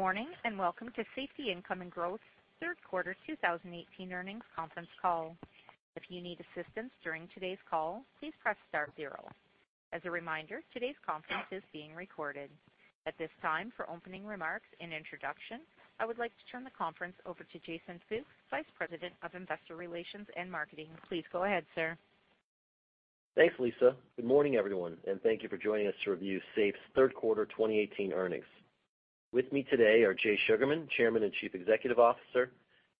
Good morning, and welcome to Safety Income and Growth third quarter 2018 earnings conference call. If you need assistance during today's call, please press star zero. As a reminder, today's conference is being recorded. At this time, for opening remarks and introduction, I would like to turn the conference over to Jason Fooks, Vice President of Investor Relations and Marketing. Please go ahead, sir. Thanks, Lisa. Good morning, everyone. Thank you for joining us to review SAFE's third quarter 2018 earnings. With me today are Jay Sugarman, Chairman and Chief Executive Officer;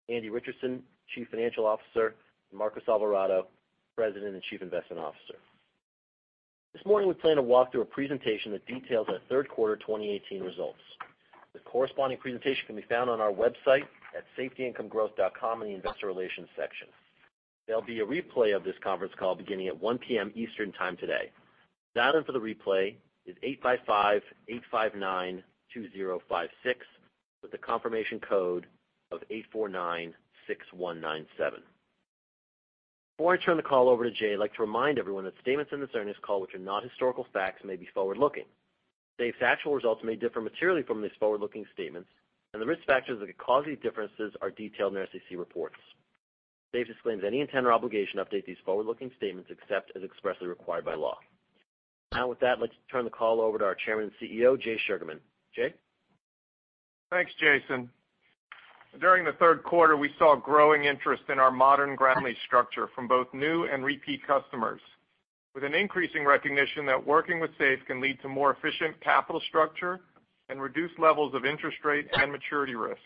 Andy Richardson, Chief Financial Officer; and Marcos Alvarado, President and Chief Investment Officer. This morning we plan to walk through a presentation that details our third quarter 2018 results. The corresponding presentation can be found on our website at safeholdinc.com in the investor relations section. There will be a replay of this conference call beginning at 1:00 P.M. Eastern Time today. Dial-in for the replay is 855-859-2056, with a confirmation code of 8496197. Before I turn the call over to Jay, I'd like to remind everyone that statements in this earnings call which are not historical facts may be forward-looking. SAFE's actual results may differ materially from these forward-looking statements. The risk factors that could cause these differences are detailed in our SEC reports. SAFE disclaims any intent or obligation to update these forward-looking statements, except as expressly required by law. Now with that, let's turn the call over to our Chairman and CEO, Jay Sugarman. Jay? Thanks, Jason. During the third quarter, we saw growing interest in our modern ground lease structure from both new and repeat customers. With an increasing recognition that working with SAFE can lead to more efficient capital structure and reduce levels of interest rate and maturity risk.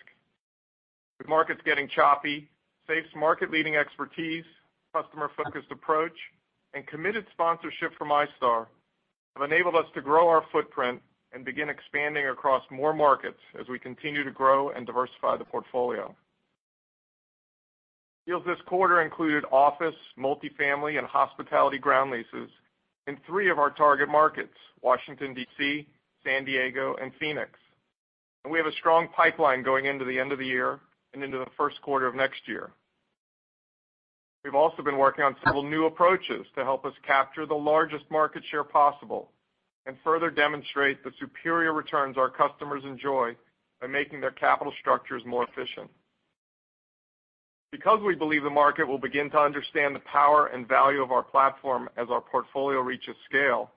With markets getting choppy, SAFE's market-leading expertise, customer-focused approach, and committed sponsorship from iStar have enabled us to grow our footprint and begin expanding across more markets as we continue to grow and diversify the portfolio. Deals this quarter included office, multi-family, and hospitality ground leases in three of our target markets, Washington, D.C., San Diego, and Phoenix. We have a strong pipeline going into the end of the year and into the first quarter of next year. We've also been working on several new approaches to help us capture the largest market share possible and further demonstrate the superior returns our customers enjoy by making their capital structures more efficient. Because we believe the market will begin to understand the power and value of our platform as our portfolio reaches scale,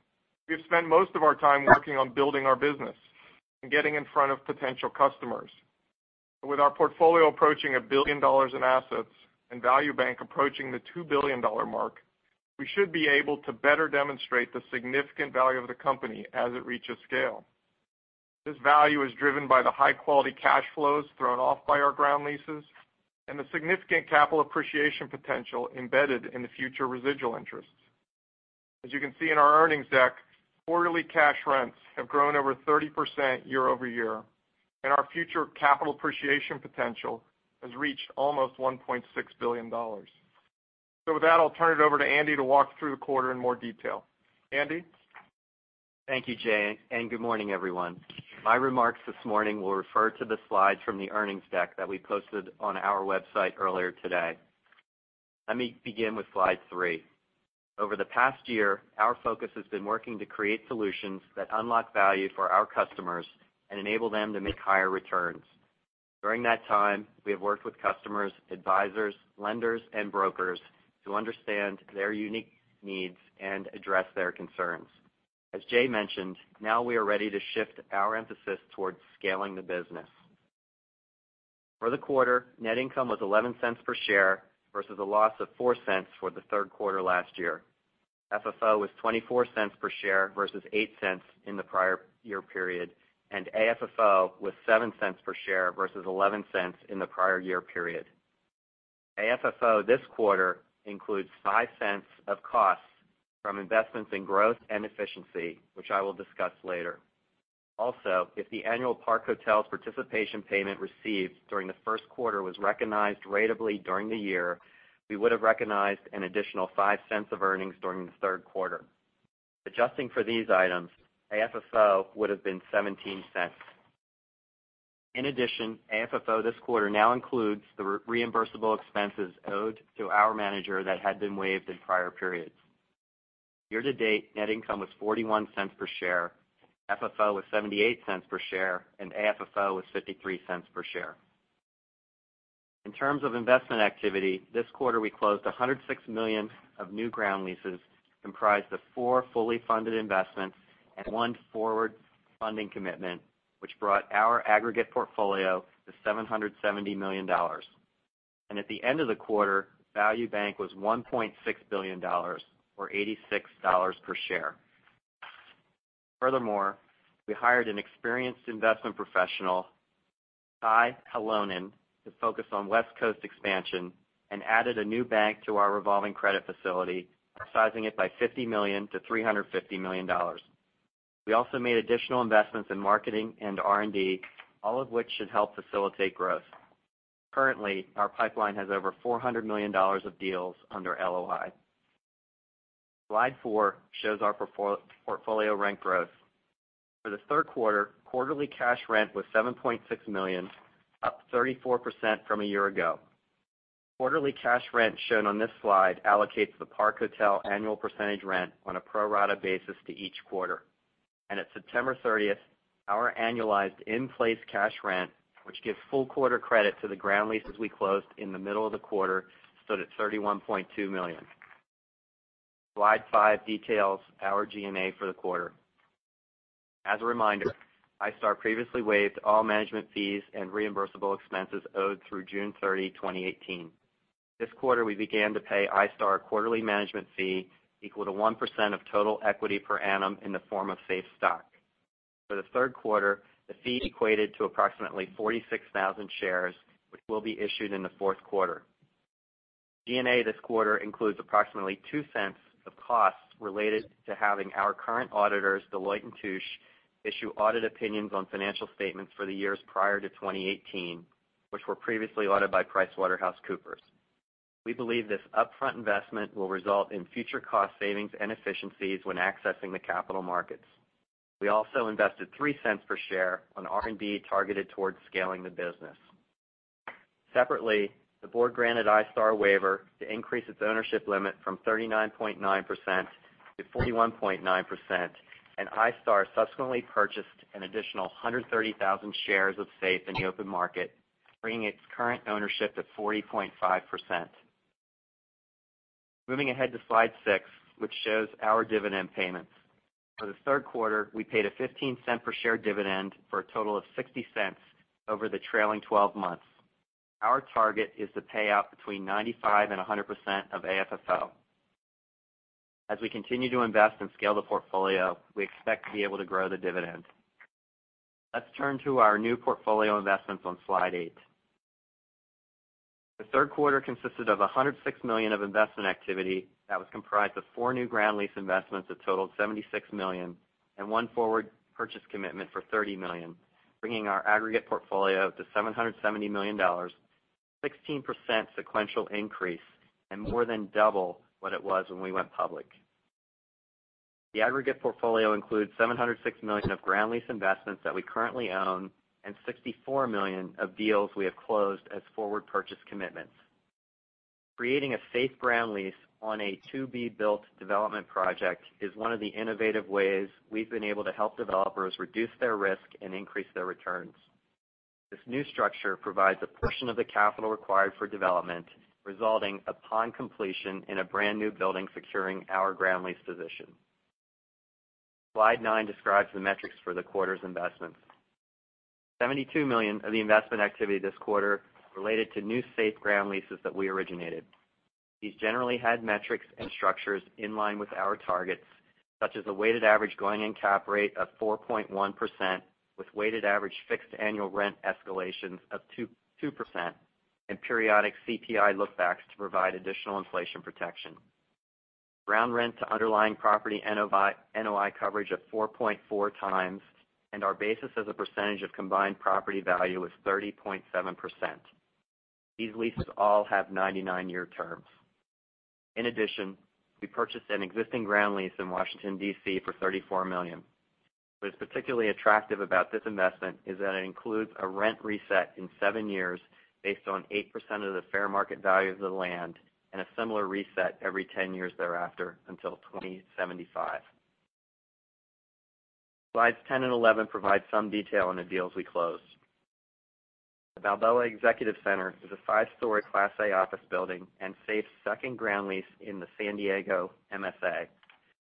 we have spent most of our time working on building our business and getting in front of potential customers. With our portfolio approaching $1 billion in assets and Value Bank approaching the $2 billion mark, we should be able to better demonstrate the significant value of the company as it reaches scale. This value is driven by the high-quality cash flows thrown off by our ground leases and the significant capital appreciation potential embedded in the future residual interests. As you can see in our earnings deck, quarterly cash rents have grown over 30% year-over-year, and our future capital appreciation potential has reached almost $1.6 billion. With that, I'll turn it over to Andy to walk through the quarter in more detail. Andy? Thank you, Jay, and good morning, everyone. My remarks this morning will refer to the slides from the earnings deck that we posted on our website earlier today. Let me begin with slide three. Over the past year, our focus has been working to create solutions that unlock value for our customers and enable them to make higher returns. During that time, we have worked with customers, advisors, lenders, and brokers to understand their unique needs and address their concerns. As Jay mentioned, now we are ready to shift our emphasis towards scaling the business. For the quarter, net income was $0.11 per share versus a loss of $0.04 for the third quarter last year. FFO was $0.24 per share versus $0.08 in the prior-year period, and AFFO was $0.07 per share versus $0.11 in the prior-year period. AFFO this quarter includes $0.05 of costs from investments in growth and efficiency, which I will discuss later. Also, if the annual Park Hotel participation payment received during the first quarter was recognized ratably during the year, we would have recognized an additional $0.05 of earnings during the third quarter. Adjusting for these items, AFFO would've been $0.17. In addition, AFFO this quarter now includes the reimbursable expenses owed to our manager that had been waived in prior periods. Year-to-date, net income was $0.41 per share, FFO was $0.78 per share, and AFFO was $0.53 per share. In terms of investment activity, this quarter we closed $106 million of new ground leases comprised of four fully funded investments and one forward funding commitment, which brought our aggregate portfolio to $770 million. At the end of the quarter, Value Bank was $1.6 billion, or $86 per share. Furthermore, we hired an experienced investment professional, Tye Palonen, to focus on West Coast expansion and added a new bank to our revolving credit facility, sizing it by $50 million to $350 million. We also made additional investments in marketing and R&D, all of which should help facilitate growth. Currently, our pipeline has over $400 million of deals under LOI. Slide four shows our portfolio rent growth. For the third quarter, quarterly cash rent was $7.6 million, up 34% from a year ago. Quarterly cash rent shown on this slide allocates the Park Hotel annual percentage rent on a pro rata basis to each quarter. At September 30th, our annualized in-place cash rent, which gives full quarter credit to the ground leases we closed in the middle of the quarter, stood at $31.2 million. Slide five details our G&A for the quarter. As a reminder, iStar previously waived all management fees and reimbursable expenses owed through June 30, 2018. This quarter, we began to pay iStar quarterly management fee equal to 1% of total equity per annum in the form of SAFE stock. For the third quarter, the fee equated to approximately 46,000 shares, which will be issued in the fourth quarter. G&A this quarter includes approximately $0.02 of costs related to having our current auditors, Deloitte & Touche, issue audit opinions on financial statements for the years prior to 2018, which were previously audited by PricewaterhouseCoopers. We believe this upfront investment will result in future cost savings and efficiencies when accessing the capital markets. We also invested $0.03 per share on R&D targeted towards scaling the business. Separately, the board granted iStar a waiver to increase its ownership limit from 39.9% to 41.9%. iStar subsequently purchased an additional 130,000 shares of SAFE in the open market, bringing its current ownership to 40.5%. Moving ahead to slide six, which shows our dividend payments. For the third quarter, we paid a $0.15 per share dividend for a total of $0.60 over the trailing 12 months. Our target is to pay out between 95% and 100% of AFFO. As we continue to invest and scale the portfolio, we expect to be able to grow the dividend. Let's turn to our new portfolio investments on slide eight. The third quarter consisted of $106 million of investment activity that was comprised of four new ground lease investments that totaled $76 million and one forward purchase commitment for $30 million, bringing our aggregate portfolio to $770 million, a 16% sequential increase, and more than double what it was when we went public. The aggregate portfolio includes $706 million of ground lease investments that we currently own, and $64 million of deals we have closed as forward purchase commitments. Creating a Safehold ground lease on a to-be built development project is one of the innovative ways we've been able to help developers reduce their risk and increase their returns. This new structure provides a portion of the capital required for development, resulting, upon completion, in a brand new building securing our ground lease position. Slide nine describes the metrics for the quarter's investments. $72 million of the investment activity this quarter related to new Safehold ground leases that we originated. These generally had metrics and structures in line with our targets, such as a weighted average going-in cap rate of 4.1%, with weighted average fixed annual rent escalations of 2%, and periodic CPI look-backs to provide additional inflation protection. Ground rent to underlying property NOI coverage of 4.4 times, and our basis as a percentage of combined property value is 30.7%. These leases all have 99-year terms. In addition, we purchased an existing ground lease in Washington, D.C. for $34 million. What is particularly attractive about this investment is that it includes a rent reset in seven years based on 8% of the fair market value of the land, and a similar reset every 10 years thereafter until 2075. Slides 10 and 11 provide some detail on the deals we closed. The Balboa Executive Center is a five-story Class A office building and Safehold's second ground lease in the San Diego MSA.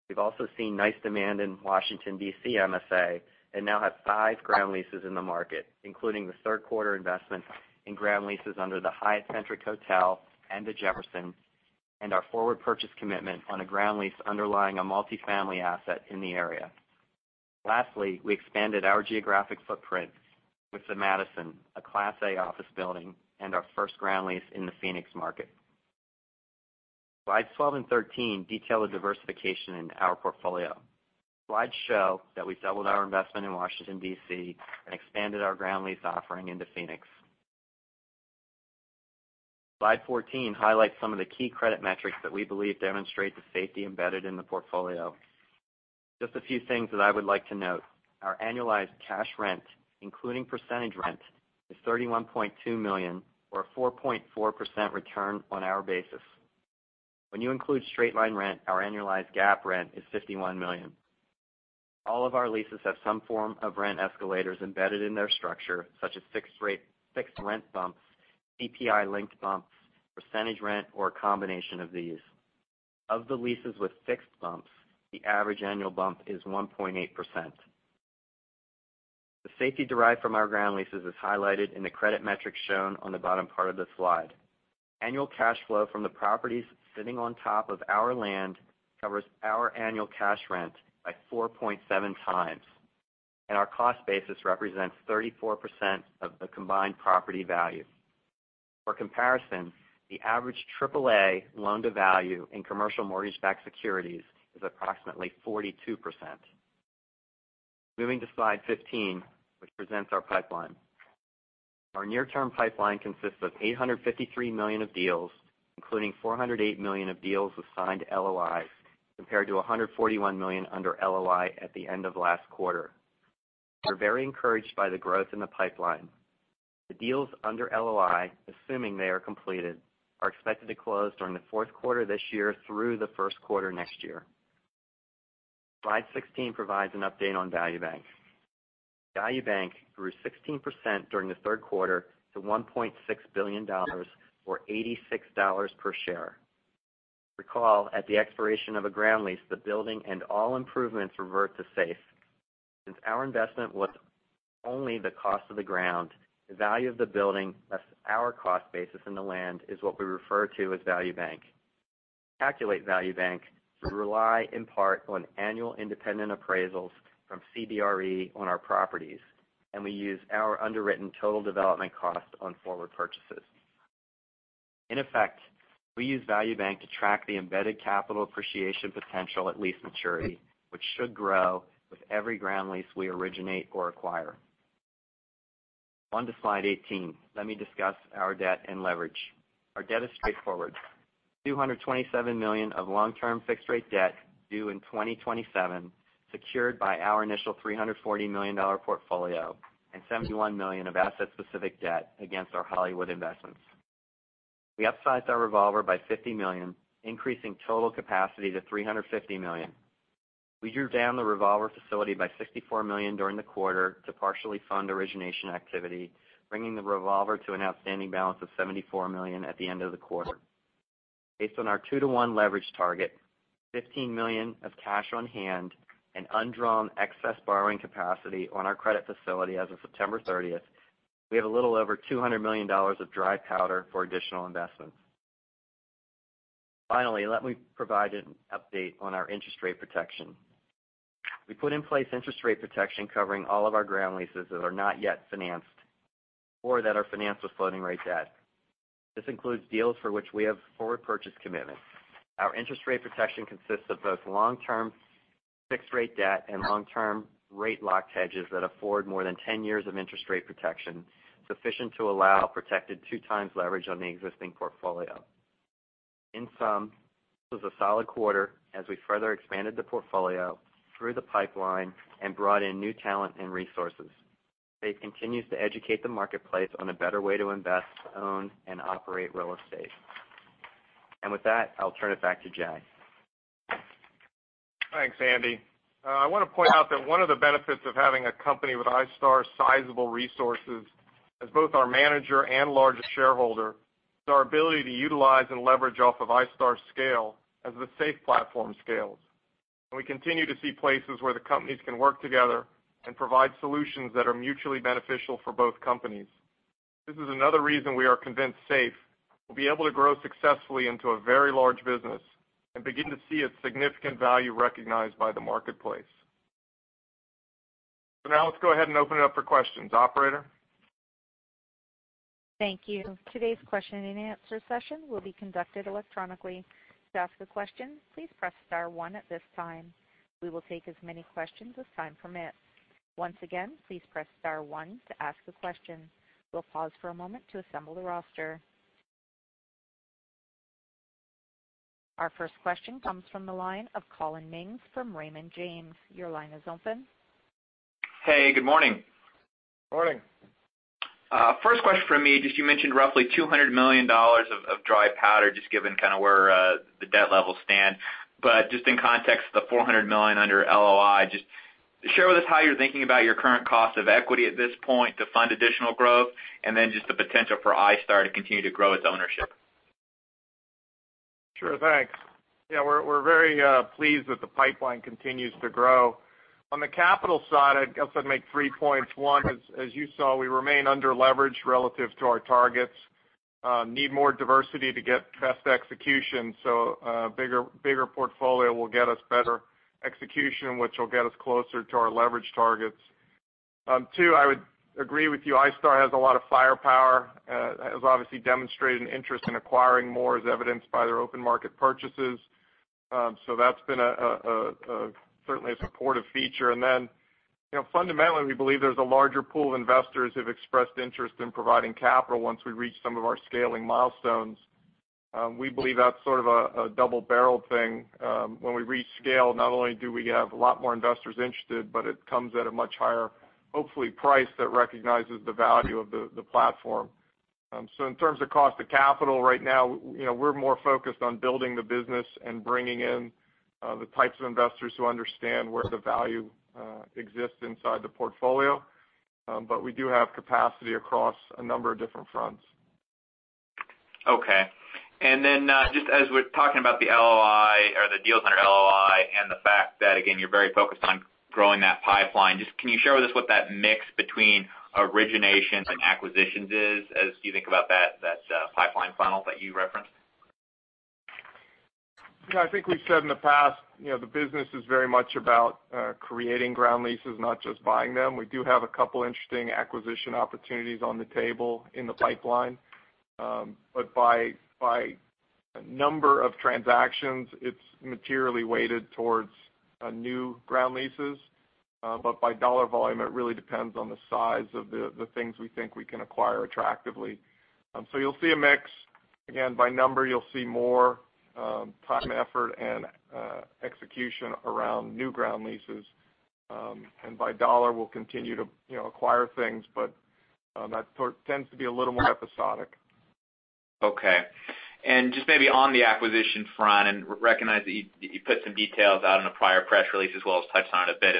We've also seen nice demand in Washington, D.C. MSA and now have five ground leases in the market, including the third quarter investment in ground leases under the Hyatt Centric Hotel and The Jefferson, and our forward purchase commitment on a ground lease underlying a multi-family asset in the area. Lastly, we expanded our geographic footprint with The Madison, a Class A office building and our first ground lease in the Phoenix market. Slides 12 and 13 detail the diversification in our portfolio. Slides show that we doubled our investment in Washington, D.C. and expanded our ground lease offering into Phoenix. Slide 14 highlights some of the key credit metrics that we believe demonstrate the safety embedded in the portfolio. Just a few things that I would like to note. Our annualized cash rent, including percentage rent, is $31.2 million or 4.4% return on our basis. When you include straight line rent, our annualized GAAP rent is $51 million. All of our leases have some form of rent escalators embedded in their structure, such as fixed rent bumps, CPI-linked bumps, percentage rent, or a combination of these. Of the leases with fixed bumps, the average annual bump is 1.8%. The safety derived from our ground leases is highlighted in the credit metrics shown on the bottom part of the slide. Annual cash flow from the properties sitting on top of our land covers our annual cash rent by 4.7 times, and our cost basis represents 34% of the combined property value. For comparison, the average AAA loan to value in commercial mortgage-backed securities is approximately 42%. Moving to slide 15, which presents our pipeline. Our near-term pipeline consists of $853 million of deals, including $408 million of deals with signed LOIs, compared to $141 million under LOI at the end of last quarter. We're very encouraged by the growth in the pipeline. The deals under LOI, assuming they are completed, are expected to close during the fourth quarter this year through the first quarter next year. Slide 16 provides an update on Value Bank. Value Bank grew 16% during the third quarter to $1.6 billion or $86 per share. Recall, at the expiration of a ground lease, the building and all improvements revert to Safehold. Since our investment was only the cost of the ground, the value of the building, less our cost basis in the land, is what we refer to as Value Bank. To calculate Value Bank, we rely in part on annual independent appraisals from CBRE on our properties, and we use our underwritten total development cost on forward purchases. In effect, we use Value Bank to track the embedded capital appreciation potential at lease maturity, which should grow with every ground lease we originate or acquire. On to slide 18. Let me discuss our debt and leverage. Our debt is straightforward. $227 million of long-term fixed-rate debt due in 2027, secured by our initial $340 million portfolio and $71 million of asset-specific debt against our Hollywood investments. We upsized our revolver by $50 million, increasing total capacity to $350 million. We drew down the revolver facility by $64 million during the quarter to partially fund origination activity, bringing the revolver to an outstanding balance of $74 million at the end of the quarter. Based on our 2 to 1 leverage target, $15 million of cash on hand, and undrawn excess borrowing capacity on our credit facility as of September 30th, we have a little over $200 million of dry powder for additional investments. Finally, let me provide an update on our interest rate protection. We put in place interest rate protection covering all of our ground leases that are not yet financed or that are financed with floating rate debt. This includes deals for which we have forward purchase commitments. Our interest rate protection consists of both long-term fixed-rate debt and long-term rate-locked hedges that afford more than 10 years of interest rate protection, sufficient to allow protected two times leverage on the existing portfolio. In sum, this was a solid quarter as we further expanded the portfolio through the pipeline and brought in new talent and resources. SAFE continues to educate the marketplace on a better way to invest, own, and operate real estate. With that, I'll turn it back to Jay. Thanks, Andy. I want to point out that one of the benefits of having a company with iStar's sizable resources as both our manager and largest shareholder, is our ability to utilize and leverage off of iStar's scale as the SAFE platform scales. We continue to see places where the companies can work together and provide solutions that are mutually beneficial for both companies. This is another reason we are convinced SAFE will be able to grow successfully into a very large business and begin to see its significant value recognized by the marketplace. Now let's go ahead and open it up for questions. Operator? Thank you. Today's question and answer session will be conducted electronically. To ask a question, please press star one at this time. We will take as many questions as time permits. Once again, please press star one to ask a question. We'll pause for a moment to assemble the roster. Our first question comes from the line of Collin Mings from Raymond James. Your line is open. Hey, good morning. Morning. First question from me, just you mentioned roughly $200 million of dry powder, just given kind of where the debt levels stand. Just in context of the $400 million under LOI, just share with us how you're thinking about your current cost of equity at this point to fund additional growth, and then just the potential for iStar to continue to grow its ownership. Sure. Thanks. Yeah, we're very pleased that the pipeline continues to grow. On the capital side, I'd also make three points. One is, as you saw, we remain under-leveraged relative to our targets. Need more diversity to get best execution, so a bigger portfolio will get us better execution, which will get us closer to our leverage targets. Two, I would agree with you, iStar has a lot of firepower. Has obviously demonstrated an interest in acquiring more, as evidenced by their open market purchases. That's been certainly a supportive feature. Fundamentally, we believe there's a larger pool of investors who've expressed interest in providing capital once we reach some of our scaling milestones. We believe that's sort of a double-barrelled thing. When we reach scale, not only do we have a lot more investors interested, but it comes at a much higher, hopefully, price that recognizes the value of the platform. In terms of cost of capital right now, we're more focused on building the business and bringing in the types of investors who understand where the value exists inside the portfolio. We do have capacity across a number of different fronts. Okay. Just as we're talking about the LOI or the deals under LOI and the fact that, again, you're very focused on growing that pipeline, just can you share with us what that mix between originations and acquisitions is as you think about that pipeline funnel that you referenced? Yeah. I think we've said in the past, the business is very much about creating ground leases, not just buying them. We do have a couple interesting acquisition opportunities on the table in the pipeline. By number of transactions, it's materially weighted towards new ground leases. By dollar volume, it really depends on the size of the things we think we can acquire attractively. You'll see a mix. Again, by number, you'll see more time, effort, and execution around new ground leases. By dollar, we'll continue to acquire things, but that tends to be a little more episodic. Okay. Just maybe on the acquisition front, and recognize that you put some details out in a prior press release as well as touched on it a bit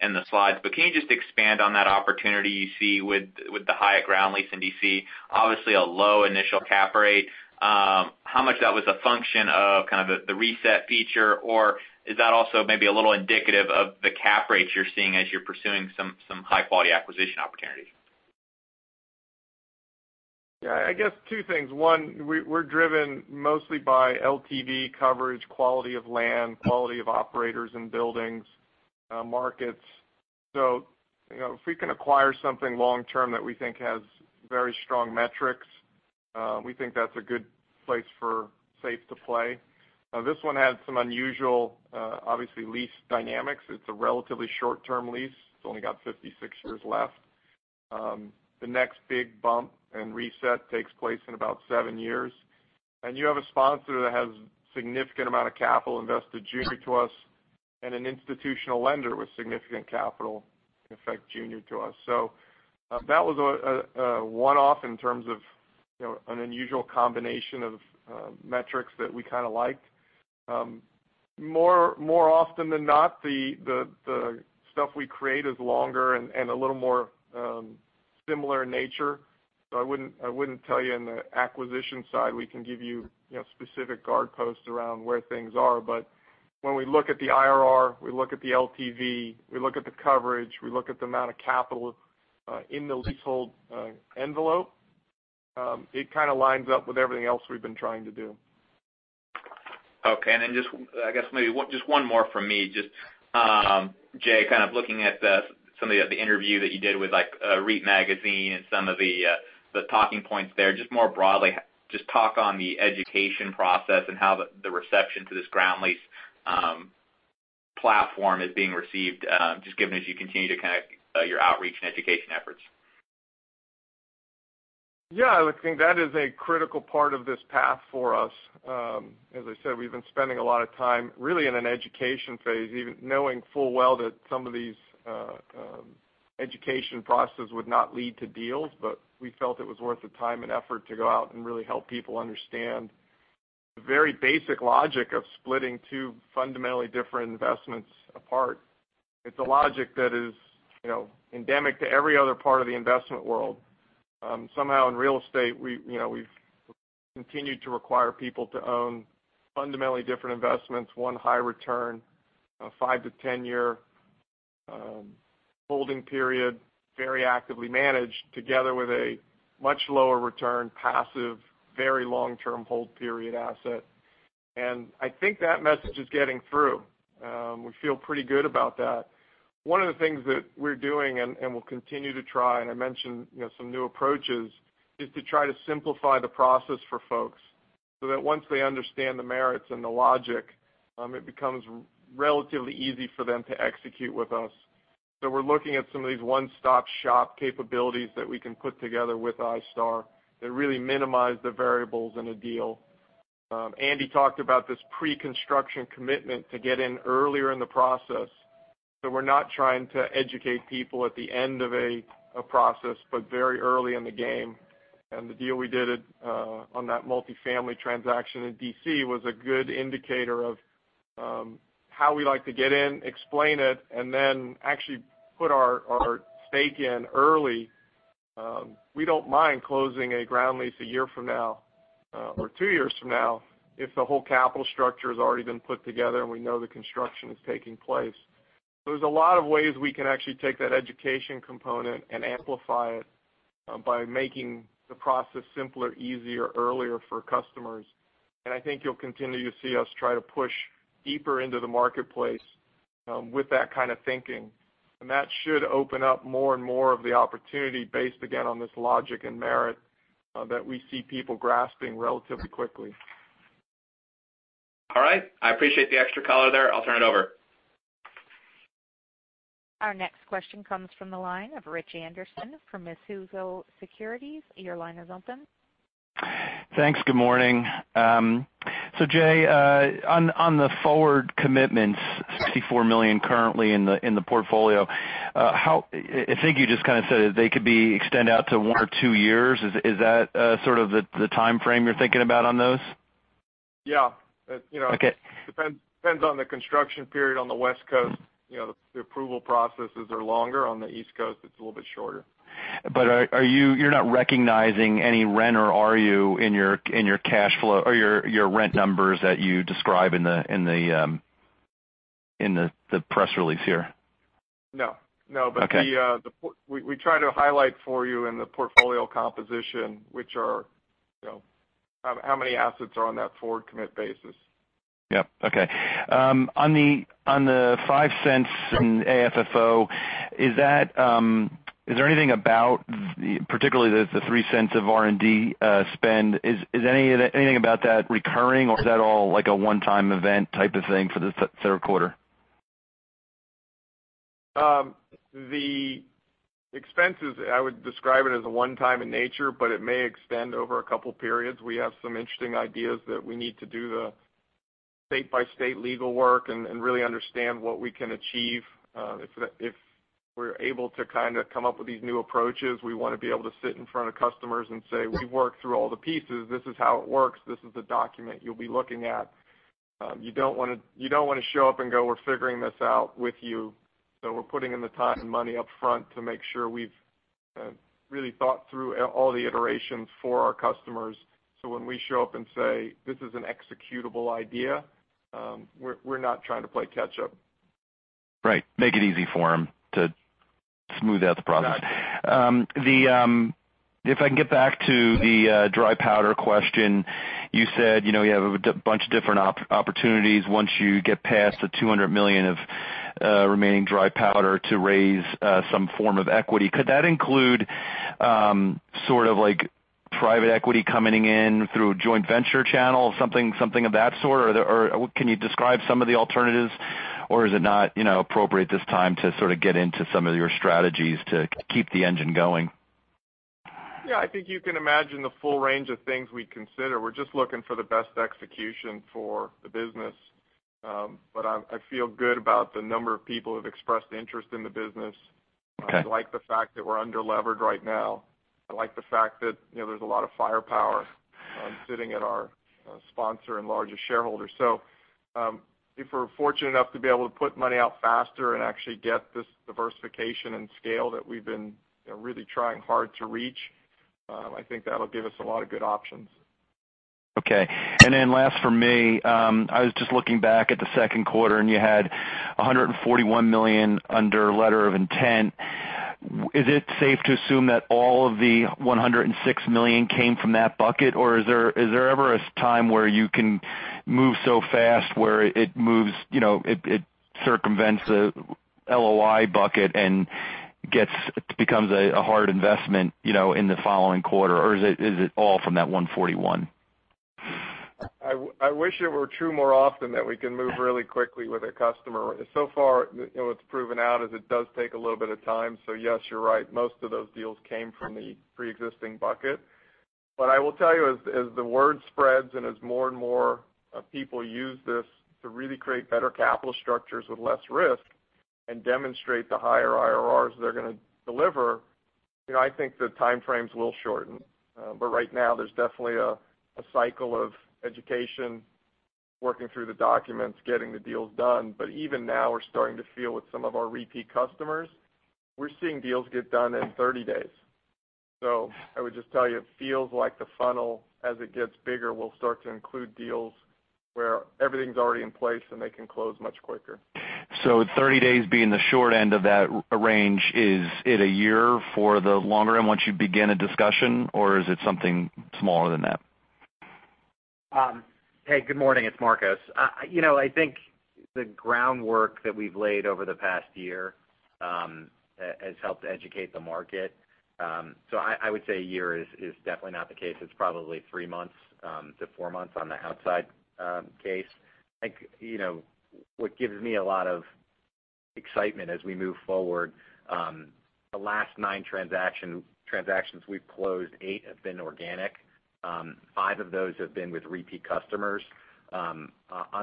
in the slides, can you just expand on that opportunity you see with the Hyatt ground lease in D.C., obviously a low initial cap rate, how much that was a function of the reset feature, or is that also maybe a little indicative of the cap rates you're seeing as you're pursuing some high-quality acquisition opportunities? I guess two things. One, we're driven mostly by LTV coverage, quality of land, quality of operators and buildings, markets. If we can acquire something long-term that we think has very strong metrics, we think that's a good place for Safehold to play. This one had some unusual, obviously, lease dynamics. It's a relatively short-term lease. It's only got 56 years left. The next big bump and reset takes place in about seven years. You have a sponsor that has significant amount of capital invested junior to us, and an institutional lender with significant capital invested junior to us. That was a one-off in terms of an unusual combination of metrics that we kind of liked. More often than not, the stuff we create is longer and a little more similar in nature. I wouldn't tell you in the acquisition side, we can give you specific guard posts around where things are. When we look at the IRR, we look at the LTV, we look at the coverage, we look at the amount of capital in the leasehold envelope. It kind of lines up with everything else we've been trying to do. I guess maybe just one more from me. Jay, kind of looking at some of the interview that you did with like, REIT Magazine and some of the talking points there, just more broadly, just talk on the education process and how the reception to this ground lease platform is being received, just given as you continue to connect your outreach and education efforts. Look, I think that is a critical part of this path for us. As I said, we've been spending a lot of time really in an education phase, even knowing full well that some of these education processes would not lead to deals, but we felt it was worth the time and effort to go out and really help people understand the very basic logic of splitting two fundamentally different investments apart. It's a logic that is endemic to every other part of the investment world. Somehow, in real estate, we've continued to require people to own fundamentally different investments, one high return, a 5- to 10-year holding period, very actively managed, together with a much lower return, passive, very long-term hold period asset. I think that message is getting through. We feel pretty good about that. One of the things that we're doing, and we'll continue to try, and I mentioned some new approaches, is to try to simplify the process for folks, so that once they understand the merits and the logic, it becomes relatively easy for them to execute with us. We're looking at some of these one-stop-shop capabilities that we can put together with iStar that really minimize the variables in a deal. Andy talked about this pre-construction commitment to get in earlier in the process. We're not trying to educate people at the end of a process, but very early in the game. The deal we did on that multi-family transaction in D.C. was a good indicator of how we like to get in, explain it, and then actually put our stake in early. We don't mind closing a ground lease one year from now or two years from now if the whole capital structure's already been put together and we know the construction is taking place. There's a lot of ways we can actually take that education component and amplify it by making the process simpler, easier, earlier for customers. I think you'll continue to see us try to push deeper into the marketplace with that kind of thinking. That should open up more and more of the opportunity based, again, on this logic and merit that we see people grasping relatively quickly. All right. I appreciate the extra color there. I'll turn it over. Our next question comes from the line of Rich Anderson from Mizuho Securities. Your line is open. Thanks. Good morning. Jay, on the forward commitments, $64 million currently in the portfolio. I think you just kind of said that they could be extend out to one or two years. Is that sort of the timeframe you're thinking about on those? Yeah. Okay. Depends on the construction period on the West Coast. The approval processes are longer. On the East Coast, it's a little bit shorter. You're not recognizing any rent or are you in your cash flow or your rent numbers that you describe in the press release here? No. Okay. We try to highlight for you in the portfolio composition, which are how many assets are on that forward commit basis. Yep. Okay. On the $0.05 in AFFO, is there anything about particularly the $0.03 of R&D spend, is anything about that recurring, or is that all like a one-time event type of thing for the third quarter? The expenses, I would describe it as a one-time in nature, it may extend over a couple of periods. We have some interesting ideas that we need to do the state-by-state legal work and really understand what we can achieve. If we're able to come up with these new approaches, we want to be able to sit in front of customers and say, "We've worked through all the pieces. This is how it works. This is the document you'll be looking at." You don't want to show up and go, "We're figuring this out with you." We're putting in the time and money up front to make sure we've really thought through all the iterations for our customers. When we show up and say, "This is an executable idea," we're not trying to play catch up. Right. Make it easy for them to smooth out the process. Got it. If I can get back to the dry powder question. You said you have a bunch of different opportunities once you get past the $200 million of remaining dry powder to raise some form of equity. Could that include private equity coming in through a joint venture channel, something of that sort? Can you describe some of the alternatives, or is it not appropriate this time to get into some of your strategies to keep the engine going? Yeah, I think you can imagine the full range of things we'd consider. We're just looking for the best execution for the business. I feel good about the number of people who have expressed interest in the business. Okay. I like the fact that we're under-levered right now. I like the fact that there's a lot of firepower sitting at our sponsor and largest shareholder. If we're fortunate enough to be able to put money out faster and actually get this diversification and scale that we've been really trying hard to reach, I think that'll give us a lot of good options. Okay. Last from me, I was just looking back at the second quarter, and you had $141 million under letter of intent. Is it safe to assume that all of the $106 million came from that bucket, or is there ever a time where you can move so fast where it circumvents the LOI bucket and becomes a hard investment in the following quarter, or is it all from that $141? I wish it were true more often that we can move really quickly with a customer. So far, what's proven out is it does take a little bit of time. Yes, you're right, most of those deals came from the preexisting bucket. I will tell you, as the word spreads and as more and more people use this to really create better capital structures with less risk and demonstrate the higher IRRs they're going to deliver, I think the time frames will shorten. Right now, there's definitely a cycle of education, working through the documents, getting the deals done. Even now, we're starting to feel with some of our repeat customers, we're seeing deals get done in 30 days. I would just tell you, it feels like the funnel, as it gets bigger, will start to include deals where everything's already in place, and they can close much quicker. 30 days being the short end of that range, is it a year for the longer end once you begin a discussion, or is it something smaller than that? Good morning, it's Marcos. I think the groundwork that we've laid over the past year has helped educate the market. I would say a year is definitely not the case. It's probably 3-4 months on the outside case. I think what gives me a lot of excitement as we move forward, the last nine transactions we've closed, eight have been organic. Five of those have been with repeat customers. On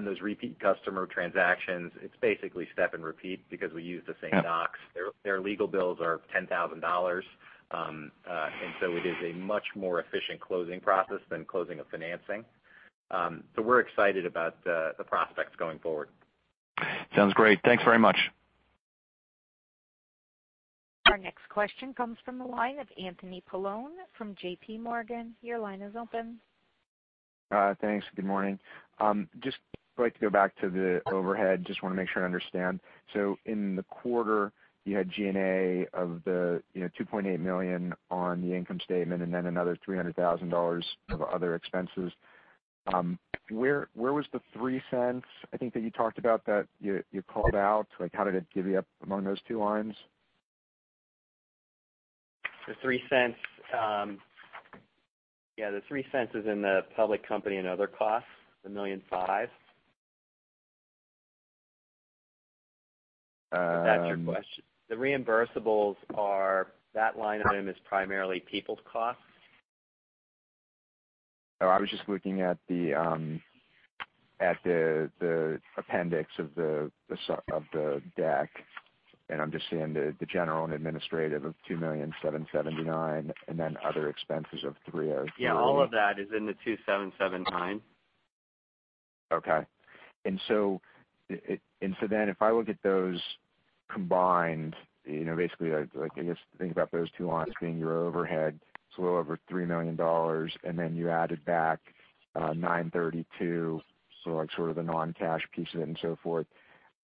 those repeat customer transactions, it's basically step and repeat because we use the same docs. Their legal bills are $10,000. It is a much more efficient closing process than closing a financing. We're excited about the prospects going forward. Sounds great. Thanks very much. Our next question comes from the line of Anthony Paolone from JPMorgan. Your line is open. Thanks. Good morning. Just would like to go back to the overhead. Just want to make sure I understand. In the quarter, you had G&A of the $2.8 million on the income statement and then another $300,000 of other expenses. Where was the $0.03, I think, that you talked about that you called out? How did it divvy up among those two lines? The $0.03 is in the public company and other costs, the $1.5 million. Uh- If that's your question. The reimbursables, that line item is primarily people's costs. I was just looking at the appendix of the deck, I'm just seeing the General and Administrative of $2,779,000 and then other expenses of $303- All of that is in the $2,779. Okay. If I look at those combined, basically, I guess think about those two lines being your overhead. It's a little over $3 million, you added back $932,000, the non-cash piece of it and so forth.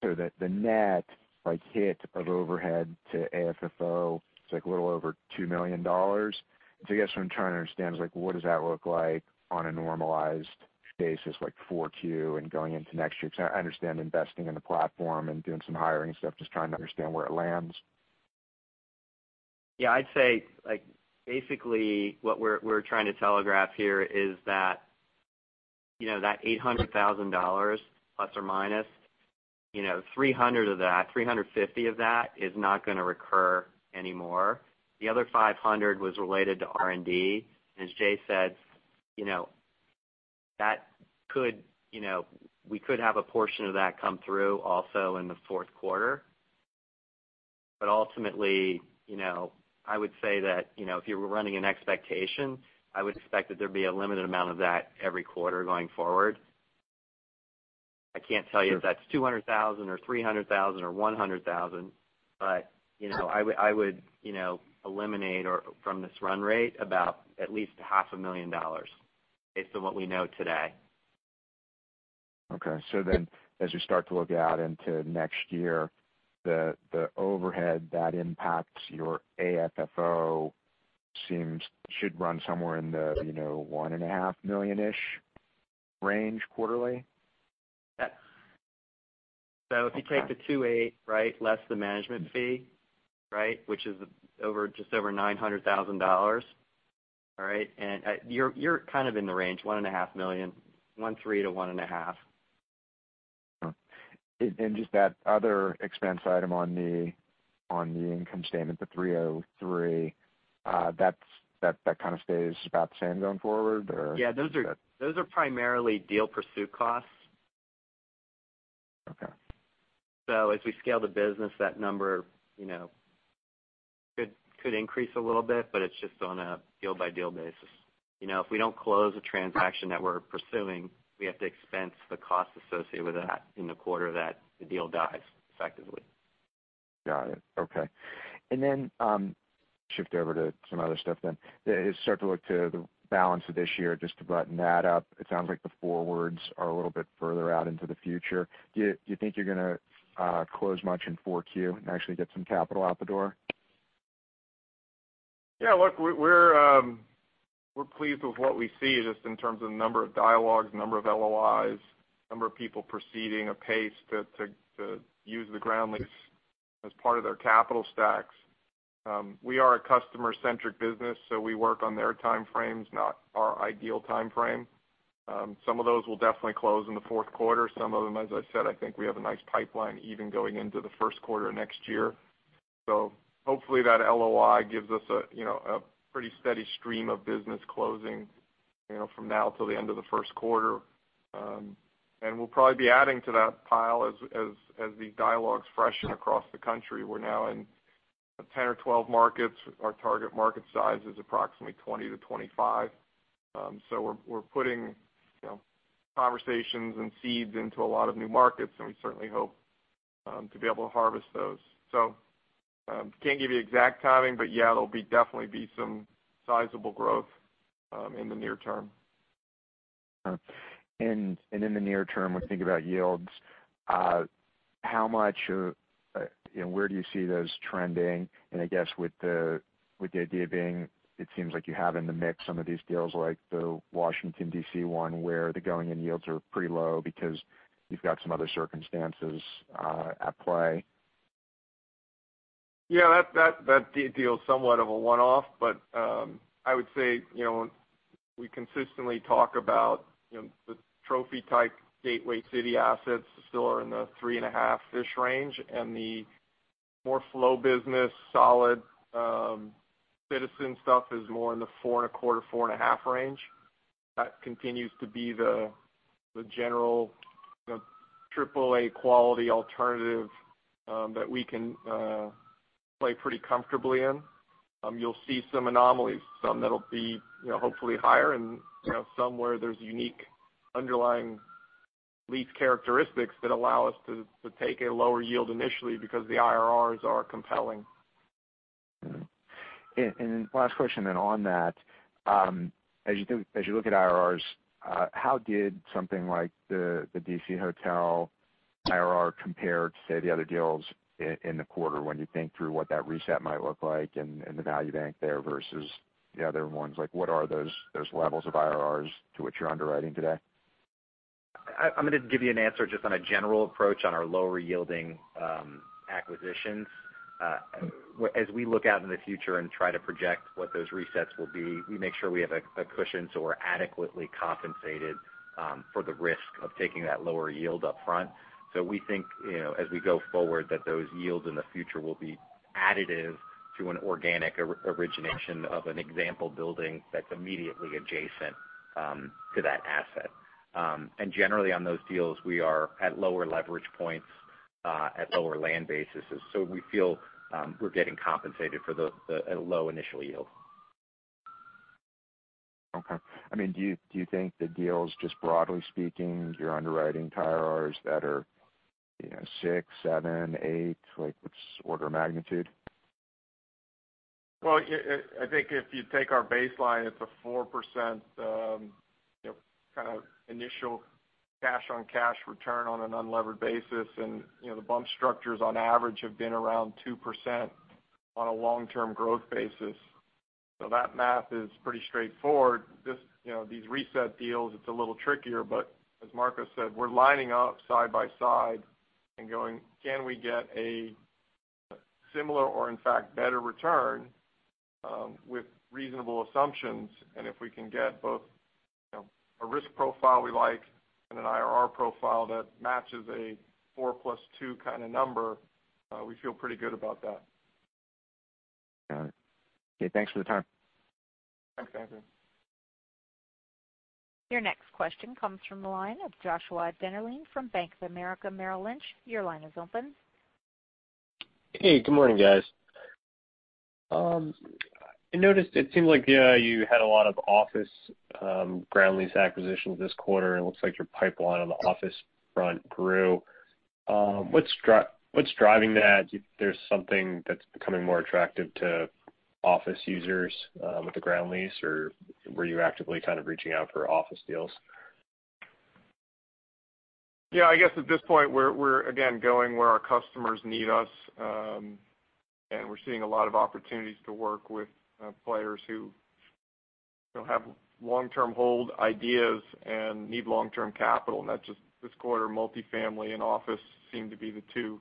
The net hit of overhead to AFFO, it's a little over $2 million. I guess what I'm trying to understand is what does that look like on a normalized basis, like 4Q and going into next year? I understand investing in the platform and doing some hiring and stuff, just trying to understand where it lands. Yeah, I'd say, basically what we're trying to telegraph here is that $800,000 plus or minus, $300,000 of that, $350,000 of that is not going to recur anymore. The other $500,000 was related to R&D. As Jay said, we could have a portion of that come through also in the fourth quarter. Ultimately, I would say that if you were running an expectation, I would expect that there'd be a limited amount of that every quarter going forward. I can't tell you if that's $200,000 or $300,000 or $100,000, but I would eliminate from this run rate about at least a half a million dollars based on what we know today. Okay. As you start to look out into next year, the overhead that impacts your AFFO should run somewhere in the $1.5 million-ish range quarterly? Yes. If you take the $2.8 million, right, less the management fee, which is just over $900,000, all right? You're kind of in the range, $1.5 million, $1.3 million to $1.5 million. Just that other expense item on the income statement, the $303,000, that kind of stays about the same going forward? Yeah, those are primarily deal pursuit costs. Okay. As we scale the business, that number could increase a little bit, but it is just on a deal-by-deal basis. If we don't close a transaction that we are pursuing, we have to expense the cost associated with that in the quarter that the deal dies, effectively. Got it. Okay. Then, shift over to some other stuff then. As you start to look to the balance of this year, just to button that up, it sounds like the forwards are a little bit further out into the future. Do you think you are going to close much in 4Q and actually get some capital out the door? Yeah, look, we are pleased with what we see just in terms of number of dialogues, number of LOIs, number of people proceeding a pace to use the ground lease as part of their capital stacks. We are a customer-centric business, so we work on their timeframes, not our ideal timeframe. Some of those will definitely close in the fourth quarter. Some of them, as I said, I think we have a nice pipeline even going into the first quarter next year. Hopefully that LOI gives us a pretty steady stream of business closing from now till the end of the first quarter. We will probably be adding to that pile as the dialogues freshen across the country. We are now in 10 or 12 markets. Our target market size is approximately 20 to 25. We're putting conversations and seeds into a lot of new markets, and we certainly hope to be able to harvest those. Can't give you exact timing, but yeah, there'll definitely be some sizable growth in the near term. In the near term, when we think about yields, where do you see those trending? I guess with the idea being, it seems like you have in the mix some of these deals like the Washington, D.C. one where the going-in yields are pretty low because you've got some other circumstances at play. Yeah, that deal is somewhat of a one-off, but I would say, we consistently talk about the trophy-type gateway city assets still are in the three and a half-ish range, and the more flow business, solid citizen stuff is more in the four and a quarter, four and a half range. That continues to be the general AAA quality alternative that we can play pretty comfortably in. You'll see some anomalies, some that'll be hopefully higher and some where there's unique underlying lease characteristics that allow us to take a lower yield initially because the IRRs are compelling. Last question on that. As you look at IRRs, how did something like the D.C. hotel IRR compare to, say, the other deals in the quarter when you think through what that reset might look like and the Value Bank there versus the other ones? What are those levels of IRRs to what you're underwriting today? I'm going to give you an answer just on a general approach on our lower-yielding acquisitions. As we look out in the future and try to project what those resets will be, we make sure we have a cushion, so we're adequately compensated for the risk of taking that lower yield up front. We think, as we go forward, that those yields in the future will be additive to an organic origination of an example building that's immediately adjacent to that asset. Generally on those deals, we are at lower leverage points, at lower land basis. We feel we're getting compensated for the low initial yield. Okay. Do you think the deals, just broadly speaking, you're underwriting IRRs that are 6, 7, 8, like which order of magnitude? I think if you take our baseline, it's a 4% kind of initial cash-on-cash return on an unlevered basis, and the bump structures on average have been around 2% on a long-term growth basis. That math is pretty straightforward. These reset deals, it's a little trickier, but as Marcos said, we're lining up side by side and going, "Can we get a similar or in fact better return with reasonable assumptions?" If we can get both a risk profile we like and an IRR profile that matches a 4 plus 2 kind of number, we feel pretty good about that. Got it. Okay, thanks for the time. Thanks, Andrew. Your next question comes from the line of Joshua Dennerlein from Bank of America Merrill Lynch. Your line is open. Hey, good morning, guys. I noticed it seemed like you had a lot of office ground lease acquisitions this quarter, and it looks like your pipeline on the office front grew. What's driving that? There's something that's becoming more attractive to office users with the ground lease or were you actively kind of reaching out for office deals? Yeah, I guess at this point, we're again, going where our customers need us, and we're seeing a lot of opportunities to work with players who have long-term hold ideas and need long-term capital. That's just this quarter, multifamily and office seem to be the two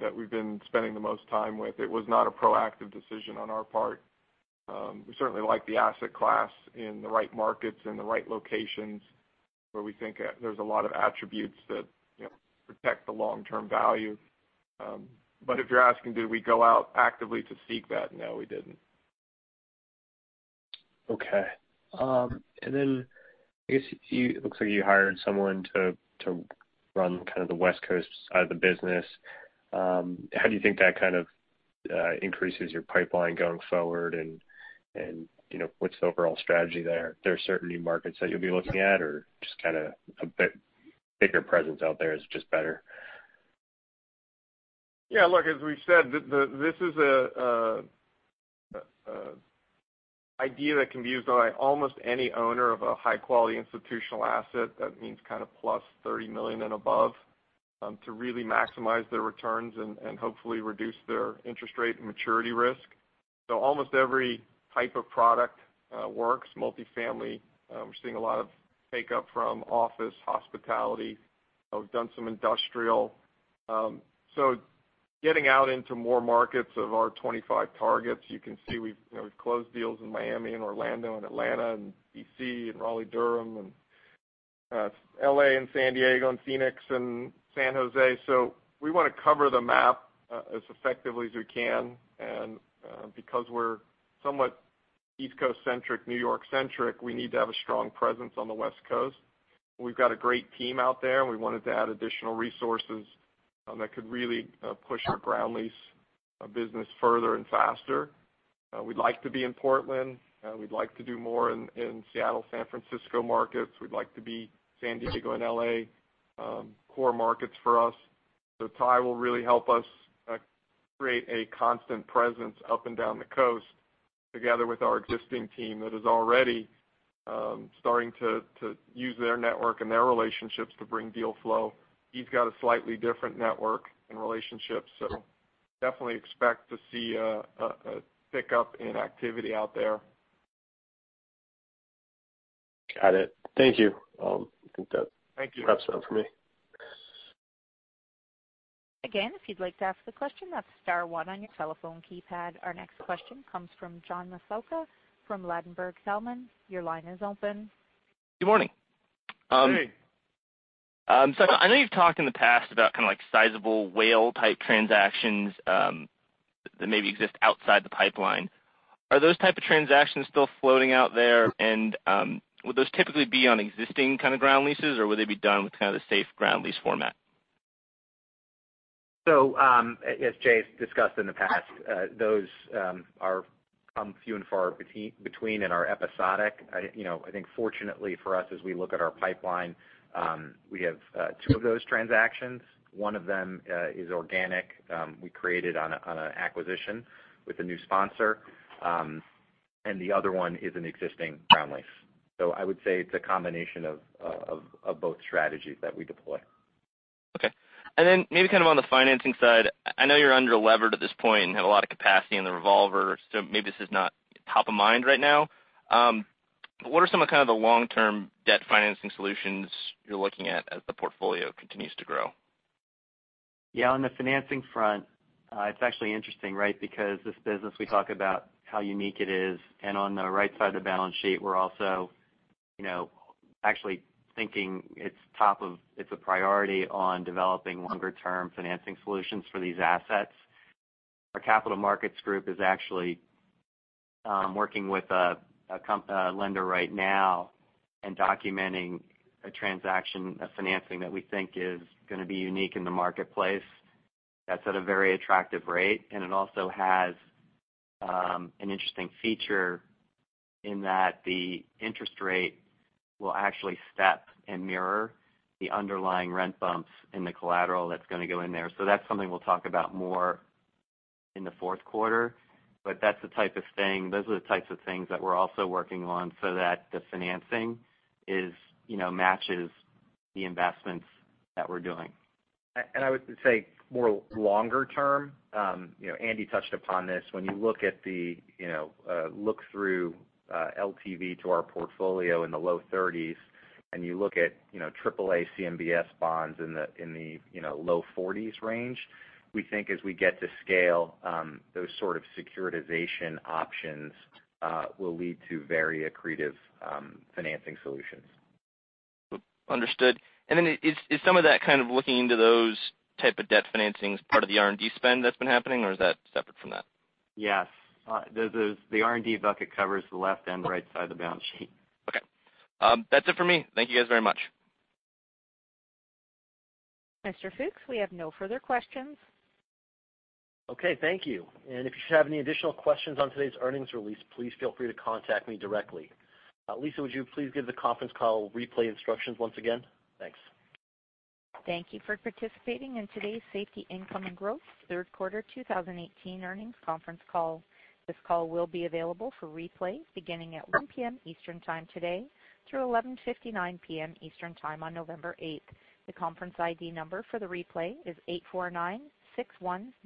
that we've been spending the most time with. It was not a proactive decision on our part. We certainly like the asset class in the right markets, in the right locations, where we think there's a lot of attributes that protect the long-term value. If you're asking, did we go out actively to seek that? No, we didn't. Okay. I guess it looks like you hired someone to run kind of the West Coast side of the business. How do you think that kind of increases your pipeline going forward? What's the overall strategy there? There are certain new markets that you'll be looking at or just kind of a bit bigger presence out there is just better? Yeah, look, as we've said, this is an idea that can be used by almost any owner of a high-quality institutional asset, that means kind of plus $30 million and above, to really maximize their returns and hopefully reduce their interest rate and maturity risk. Almost every type of product works. Multifamily. We're seeing a lot of take up from office hospitality. We've done some industrial. Getting out into more markets of our 25 targets, you can see we've closed deals in Miami and Orlando and Atlanta and D.C. and Raleigh, Durham, and L.A. and San Diego and Phoenix and San Jose. We want to cover the map as effectively as we can. Because we're somewhat East Coast-centric, New York-centric, we need to have a strong presence on the West Coast. We've got a great team out there. We wanted to add additional resources that could really push our ground lease business further and faster. We'd like to be in Portland. We'd like to do more in Seattle, San Francisco markets. We'd like to be San Diego and L.A., core markets for us. Tye will really help us create a constant presence up and down the coast together with our existing team that is already starting to use their network and their relationships to bring deal flow. He's got a slightly different network and relationships, definitely expect to see a pick up in activity out there. Got it. Thank you. Thank you. -wraps that up for me. Again, if you'd like to ask a question, that's star one on your telephone keypad. Our next question comes from John Massocca from Ladenburg Thalmann. Your line is open. Good morning. Hey. I know you've talked in the past about kind of like sizable whale-type transactions that maybe exist outside the pipeline. Are those type of transactions still floating out there? Would those typically be on existing kind of ground leases or would they be done with kind of the Safehold ground lease format? As Jay's discussed in the past, those are come few and far between and are episodic. I think fortunately for us, as we look at our pipeline, we have two of those transactions. One of them is organic, we created on an acquisition with a new sponsor. The other one is an existing ground lease. I would say it's a combination of both strategies that we deploy. Okay. Then maybe kind of on the financing side, I know you're under-levered at this point and have a lot of capacity in the revolver, so maybe this is not top of mind right now. What are some of kind of the long-term debt financing solutions you're looking at as the portfolio continues to grow? Yeah, on the financing front, it's actually interesting, right? Because this business, we talk about how unique it is, and on the right side of the balance sheet, we're also actually thinking it's a priority on developing longer-term financing solutions for these assets. Our capital markets group is actually working with a lender right now and documenting a transaction, a financing that we think is going to be unique in the marketplace that's at a very attractive rate. It also has an interesting feature in that the interest rate will actually step and mirror the underlying rent bumps in the collateral that's going to go in there. That's something we'll talk about more in the fourth quarter. Those are the types of things that we're also working on so that the financing matches the investments that we're doing. I would say more longer term, Andy touched upon this, when you look through LTV to our portfolio in the low 30s and you look at AAA CMBS bonds in the low 40s range, we think as we get to scale, those sort of securitization options will lead to very accretive financing solutions. Understood. Is some of that kind of looking into those type of debt financings part of the R&D spend that's been happening or is that separate from that? Yes. The R&D bucket covers the left and right side of the balance sheet. Okay. That's it for me. Thank you guys very much. Mr. Fooks, we have no further questions. Okay. Thank you. If you should have any additional questions on today's earnings release, please feel free to contact me directly. Lisa, would you please give the conference call replay instructions once again? Thanks. Thank you for participating in today's Safehold Inc. Third Quarter 2018 Earnings Conference Call. This call will be available for replay beginning at 1:00 P.M. Eastern time today through 11:59 P.M. Eastern time on November 8th. The conference ID number for the replay is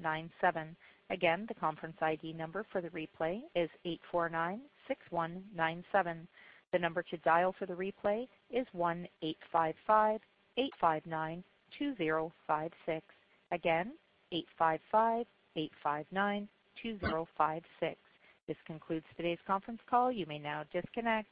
8496197. Again, the conference ID number for the replay is 8496197. The number to dial for the replay is 1-855-859-2056. Again, 855-859-2056. This concludes today's conference call. You may now disconnect.